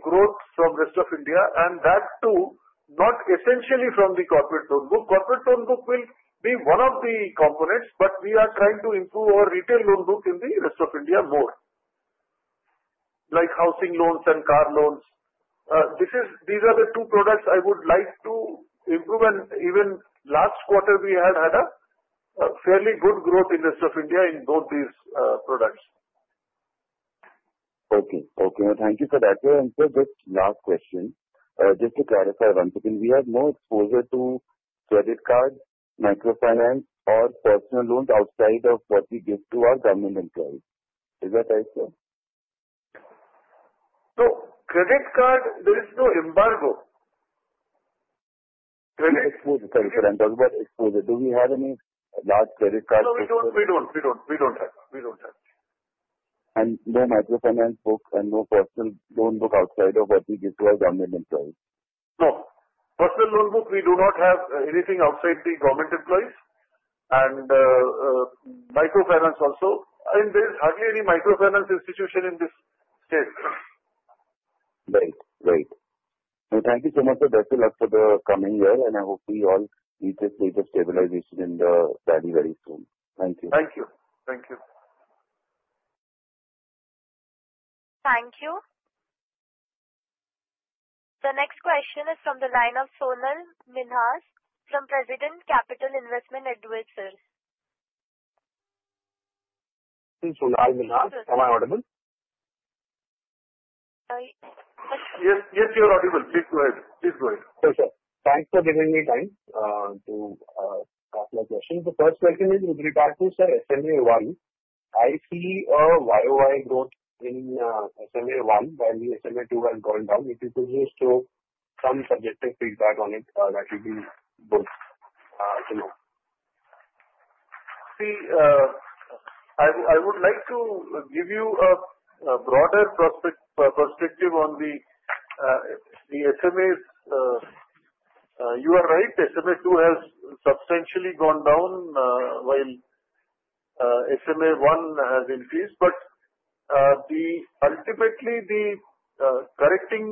growth from rest of India, and that too, not essentially from the corporate loan book. Corporate loan book will be one of the components, but we are trying to improve our retail loan book in the rest of India more, like housing loans and car loans. These are the two products I would like to improve. And even last quarter, we had had a fairly good growth in rest of India in both these products. Okay. Okay. Thank you for that. And sir, just last question. Just to clarify one thing, we have no exposure to credit card, microfinance, or personal loans outside of what we give to our government employees. Is that right, sir? No, credit card, there is no embargo. Sorry, sir. I'm talking about exposure. Do we have any large credit card exposure? No, we don't have. And no microfinance book and no personal loan book outside of what we give to our government employees? No. Personal loan book, we do not have anything outside the government employees. And microfinance also. I mean, there is hardly any microfinance institution in this state. Right. Right. Thank you so much, sir. That's a lot for the coming year, and I hope we all reach a state of stabilzation in the— very, very soon. Thank you. Thank you. Thank you. Thank you. The next question is from the line of Sonal Minhas from Prescient Capital Investment Advisor. Sonal Minhas, am I audible? Yes, you're audible. Please go ahead. Please go ahead. Sure, sir. Thanks for giving me time to ask my question. The first question is with regard to, sir, SMA 1. I see a YoY growth in SMA 1 while the SMA 2 has gone down. If you could just throw some subjective feedback on it, that would be good to know. See, I would like to give you a broader perspective on the SMAs. You are right. SMA 2 has substantially gone down while SMA 1 has increased. But ultimately, the correcting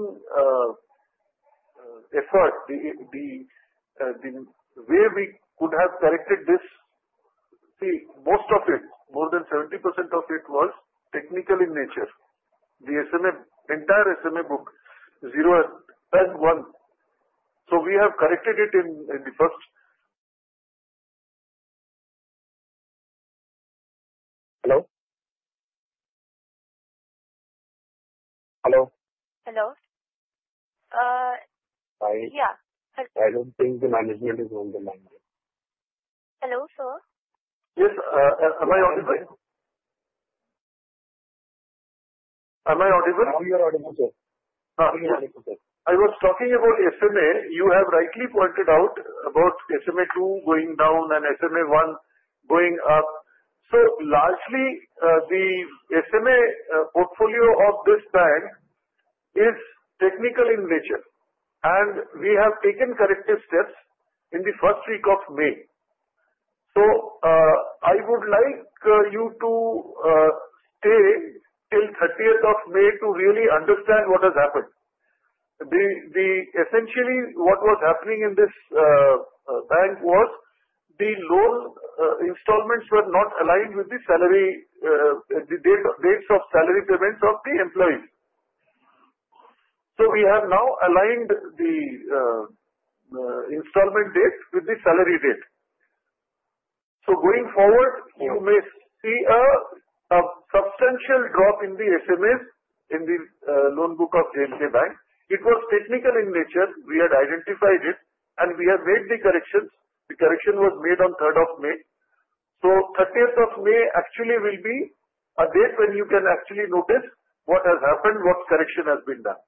effort, the way we could have corrected this, see, most of it, more than 70% of it was technical in nature. The entire SMA book, 0 and 1. So we have corrected it in the first— Hello? Hello? Hi. Yeah. I don't think the management is on the line. Hello, sir? Yes. Am I audible? You're audible, sir. I was talking about SMA. You have rightly pointed out about SMA 2 going down and SMA 1 going up. So largely, the SMA portfolio of this bank is technical in nature. We have taken corrective steps in the first week of May. So I would like you to stay till 30th of May to really understand what has happened. Essentially, what was happening in this bank was the loan installments were not aligned with the salary dates of salary payments of the employees. So we have now aligned the installment date with the salary date. So going forward, you may see a substantial drop in the SMAs in the loan book of J&K Bank. It was technical in nature. We had identified it, and we have made the corrections. The correction was made on 3rd of May. So 30th of May actually will be a date when you can actually notice what has happened, what correction has been done.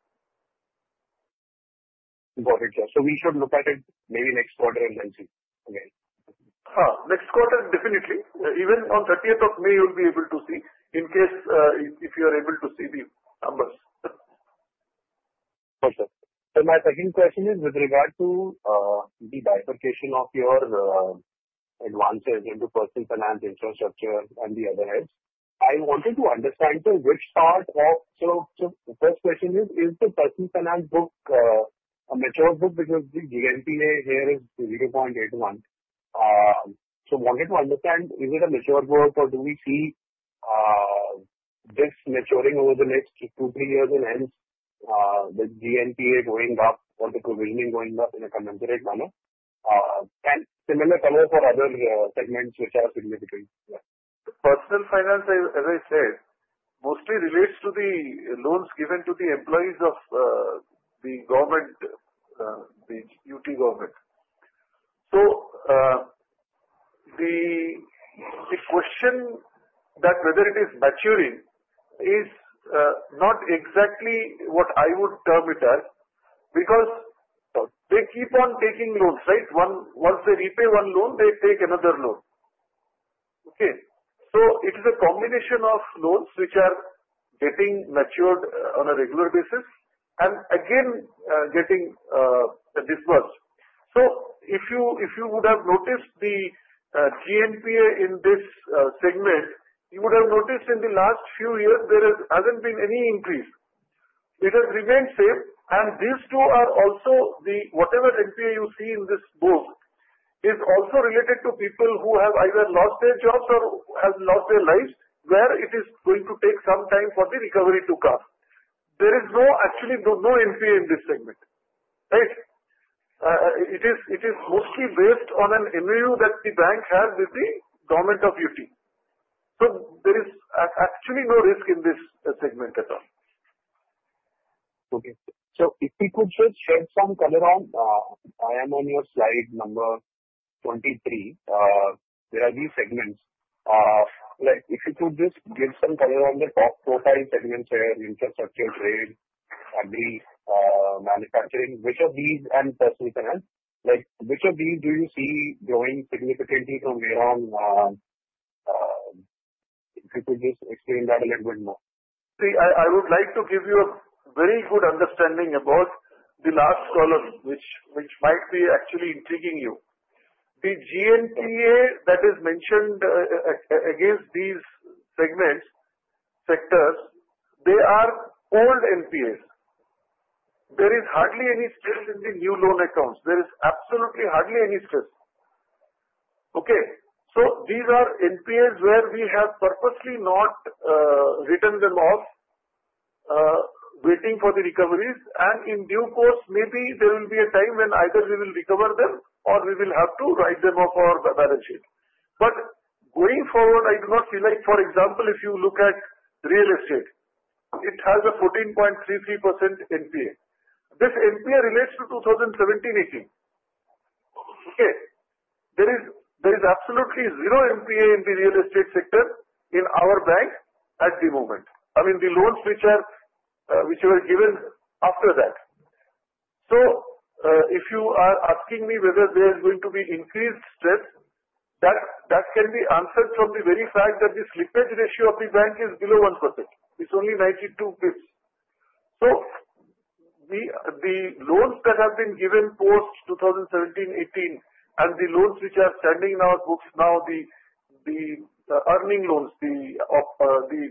Got it, sir. So we should look at it maybe next quarter and then see. Okay. Next quarter, definitely. Even on 30th of May, you'll be able to see in case if you are able to see the numbers. Sure, sir. And my second question is with regard to the bifurcation of your advances into personal finance, infrastructure, and the other head. I wanted to understand, sir, which part? So the first question is, is the personal finance book a mature book because the GNPA here is 0.81%? So I wanted to understand, is it a mature book or do we see this maturing over the next two, three years and ends with GNPA going up or the provisioning going up in a commensurate manner? And similar color for other segments which are significant. Personal finance, as I said, mostly relates to the loans given to the employees of the government, the UT government. So the question that whether it is maturing is not exactly what I would term it as because they keep on taking loans, right? Once they repay one loan, they take another loan. Okay. So it is a combination of loans which are getting matured on a regular basis and again getting disbursed. So if you would have noticed the GNPA in this segment, you would have noticed in the last few years there hasn't been any increase. It has remained the same. And these two are also the whatever NPA you see in this book is also related to people who have either lost their jobs or have lost their lives where it is going to take some time for the recovery to come. There is actually no NPA in this segment, right? It is mostly based on an MOU that the bank has with the government of UT. There is actually no risk in this segment at all. Okay. So if you could just shed some color on. I'm on your slide number 23, there are these segments. If you could just give some color on the top profile segments here, infrastructure, trade, agri, manufacturing, which of these and personal finance, which of these do you see growing significantly from here on? If you could just explain that a little bit more. See, I would like to give you a very good understanding about the last column, which might actually be intriguing you. The GNPA that is mentioned against these segments, sectors, they are old NPAs. There is hardly any stress in the new loan accounts. There is absolutely hardly any stress. Okay. So these are NPAs where we have purposely not written them off, waiting for the recoveries. In due course, maybe there will be a time when either we will recover them or we will have to write them off our balance sheet. Going forward, I do not feel like, for example, if you look at real estate, it has a 14.33% NPA. This NPA relates to 2017-2018. Okay. There is absolutely zero NPA in the real estate sector in our bank at the moment. I mean, the loans which were given after that. If you are asking me whether there is going to be increased stress, that can be answered from the very fact that the slippage ratio of the bank is below 1%. It's only 92 basis points. The loans that have been given post 2017-2018 and the loans which are standing in our books now, the earning loans, the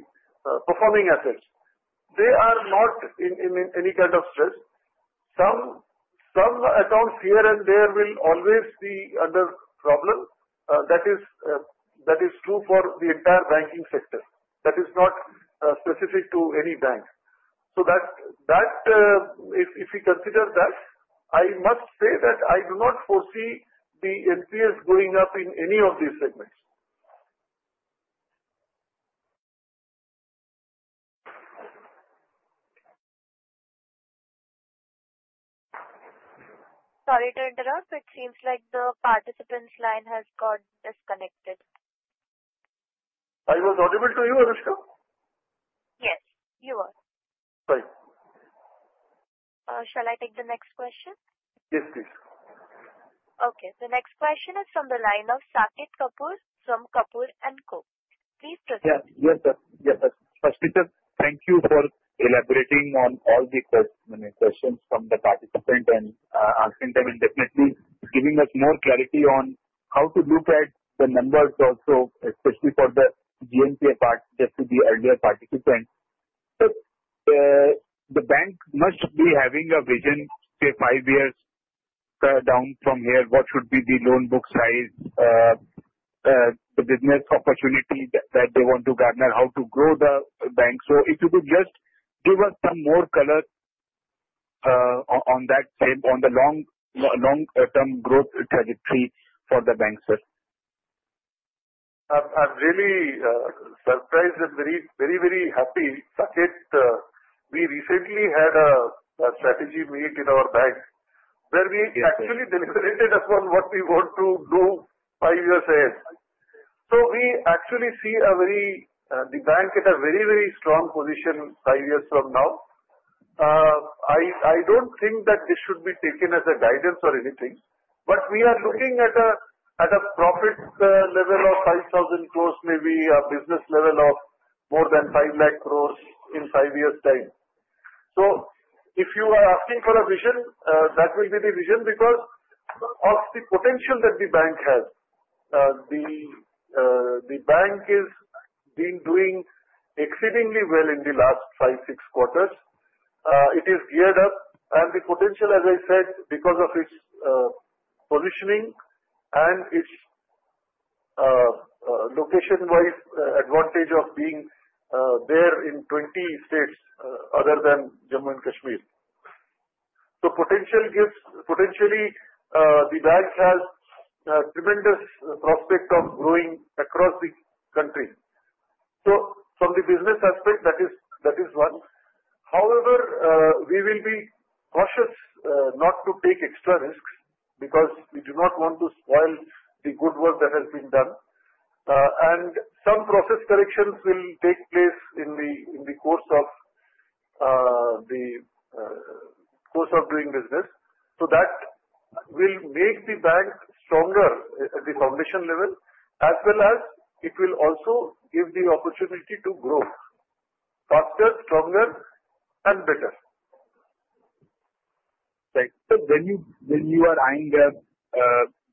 performing assets, they are not in any kind of stress. Some accounts here and there will always be under problem. That is true for the entire banking sector. That is not specific to any bank. So if you consider that, I must say that I do not foresee the NPAs going up in any of these segments. Sorry to interrupt. It seems like the participant's line has got disconnected. I was audible to you, Anushka? Yes, you were. Sorry. Shall I take the next question? Yes, please. Okay. The next question is from the line of Saket Kapoor from Kapoor & Co. Please proceed. Yes, sir. Yes, sir. Firstly sir, Thank you for elaborating on all the questions from the participant and asking them and definitely giving us more clarity on how to look at the numbers also, especially for the GNPA part, just with the earlier participant. So the bank must be having a vision five years down from here. What should be the loan book size, the business opportunity that they want to gather, how to grow the bank? So if you could just give us some more color on that, on the long-term growth trajectory for the bank, sir. I'm really surprised and very, very happy, Saket. We recently had a strategy meet in our bank where we actually deliberated upon what we want to do five years ahead. So we actually see the bank at a very, very strong position five years from now. I don't think that this should be taken as a guidance or anything, but we are looking at a profit level of 5,000 crore, maybe a business level of more than 500,000 crore in five years' time. If you are asking for a vision, that will be the vision because of the potential that the bank has. The bank has been doing exceedingly well in the last five, six quarters. It is geared up, and the potential, as I said, because of its positioning and its location-wise advantage of being there in 20 states other than Jammu and Kashmir, so potentially, the bank has a tremendous prospect of growing across the country, so from the business aspect, that is one. However, we will be cautious not to take extra risks because we do not want to spoil the good work that has been done, and some process corrections will take place in the course of doing business, so that will make the bank stronger at the foundation level, as well as it will also give the opportunity to grow faster, stronger, and better. Right. So when you are eyeing a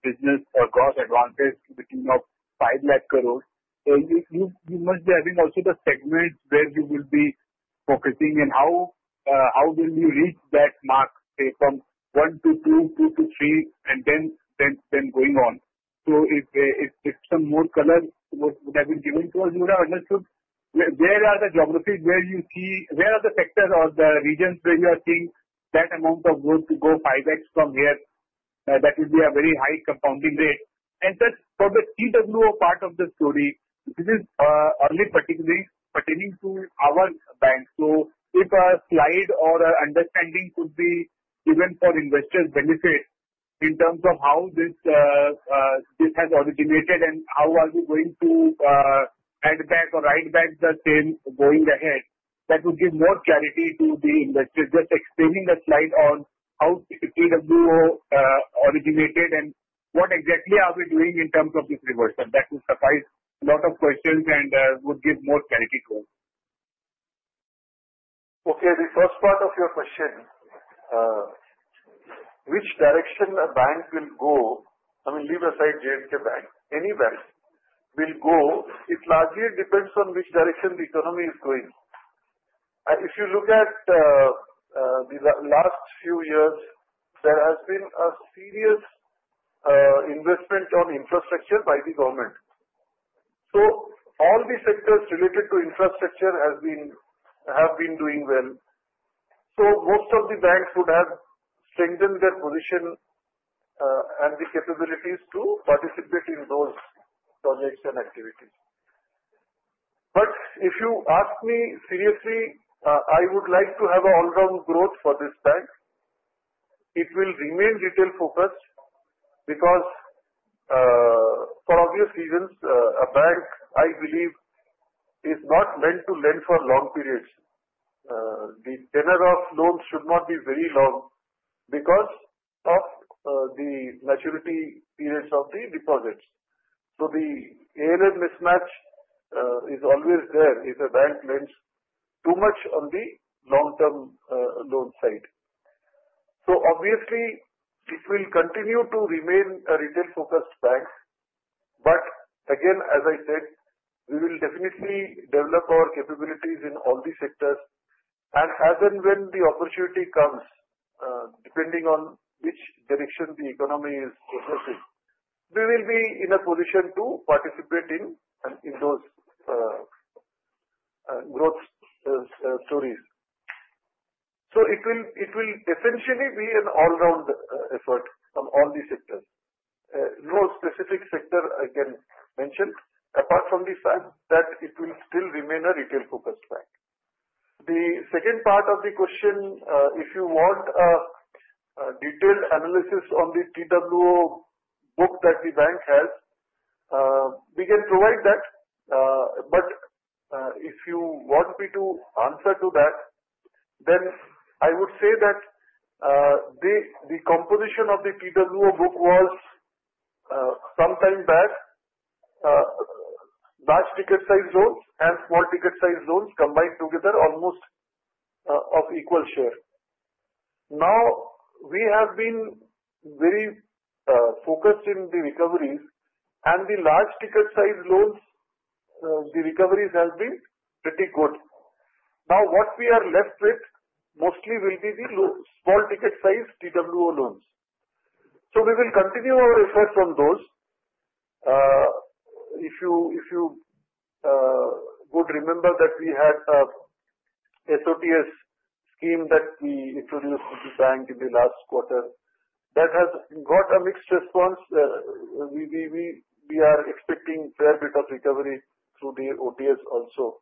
business or growth advantage between 500,000 crore, you must be having also the segments where you will be focusing and how will you reach that mark, say, from one to two, two to three, and then going on. So if some more color would have been given to us, we would have understood where are the geographies where you see where are the sectors or the regions where you are seeing that amount of growth to go 5x from here. That would be a very high compounding rate. And that's for the two part of the story. This is only particularly pertaining to our bank. So if a slide or an understanding could be given for investors' benefit in terms of how this has originated and how are we going to add back or write back the same going ahead, that would give more clarity to the investors. Just explaining the slide on how TWO originated and what exactly are we doing in terms of this reversal, that would answer a lot of questions and would give more clarity to us. Okay. The first part of your question, which direction a bank will go, I mean, leave aside J&K Bank, any bank will go, it largely depends on which direction the economy is going. If you look at the last few years, there has been a serious investment on infrastructure by the government. So all the sectors related to infrastructure have been doing well. Most of the banks would have strengthened their position and the capabilities to participate in those projects and activities. But if you ask me seriously, I would like to have an all-round growth for this bank. It will remain retail-focused because for obvious reasons, a bank, I believe, is not meant to lend for long periods. The tenor of loans should not be very long because of the maturity periods of the deposits. So the asset-liability mismatch is always there if a bank lends too much on the long-term loan side. So obviously, it will continue to remain a retail-focused bank. But again, as I said, we will definitely develop our capabilities in all the sectors. And as and when the opportunity comes, depending on which direction the economy is progressing, we will be in a position to participate in those growth stories. So it will essentially be an all-round effort from all the sectors. No specific sector, again, mentioned apart from the fact that it will still remain a retail-focused bank. The second part of the question, if you want a detailed analysis on the TWO book that the bank has, we can provide that. But if you want me to answer to that, then I would say that the composition of the TWO book was sometime back large ticket-size loans and small ticket-size loans combined together almost of equal share. Now, we have been very focused in the recoveries, and the large ticket-size loans, the recoveries have been pretty good. Now, what we are left with mostly will be the small ticket-size TWO loans. So we will continue our efforts on those. If you would remember that we had an SOTS scheme that we introduced to the bank in the last quarter, that has got a mixed response. We are expecting a fair bit of recovery through the OTS also.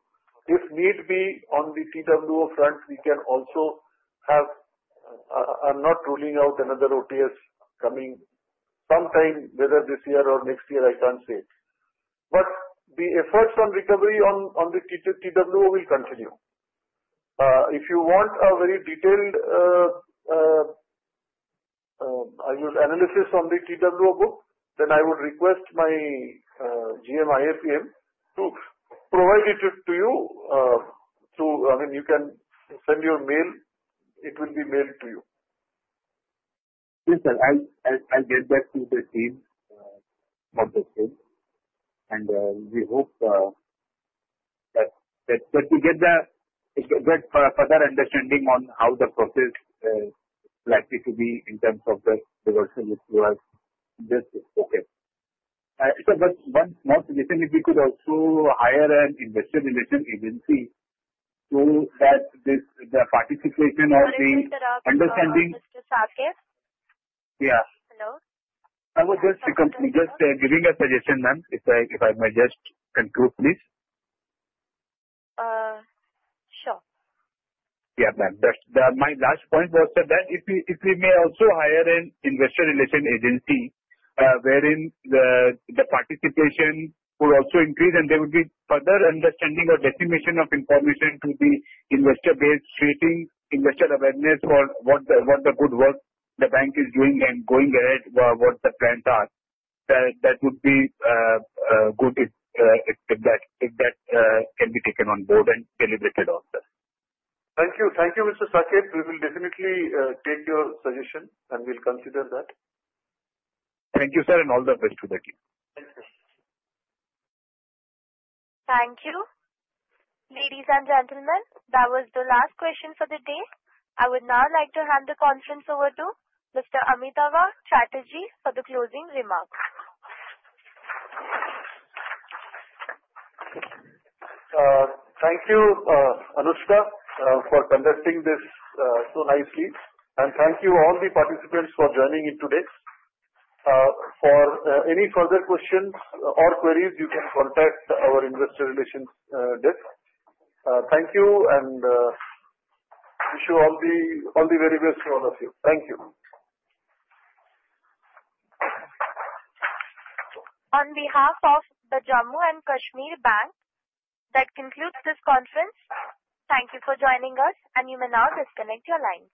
If need be, on the TWO front, we can also have. I'm not ruling out another OTS coming sometime, whether this year or next year, I can't say. But the efforts on recovery on the TWO will continue. If you want a very detailed analysis on the TWO book, then I would request my GM IAPM to provide it to you. I mean, you can send your mail. It will be mailed to you. Yes, sir. I'll get back to the team on this thing. We hope that we get a further understanding on how the process is likely to be in terms of the reversal if you are just okay. But one small suggestion, if we could also hire an investor relations agency so that the participation and the understanding. Mr. Saket? Yeah. Hello? I was just giving a suggestion, ma'am, if I may just conclude, please. Sure. Yeah, ma'am. My last point was that if we may also hire an investor relations agency wherein the participation would also increase and there would be further understanding or dissemination of information to the investor base, creating investor awareness for what the good work the bank is doing and going ahead what the plans are. That would be good if that can be taken on board and deliberated also. Thank you. Thank you, Mr. Saket. We will definitely take your suggestion and we'll consider that. Thank you, sir, and all the best to the team. Thank you. Thank you. Ladies and gentlemen, that was the last question for the day. I would now like to hand the conference over to Mr. Amitava Chatterjee for the closing remarks. Thank you, Anushka, for conducting this so nicely, and thank you, all the participants, for joining in today. For any further questions or queries, you can contact our investor relations desk. Thank you and wish you all the very best to all of you. Thank you. On behalf of the Jammu and Kashmir Bank, that concludes this conference. Thank you for joining us, and you may now disconnect your line.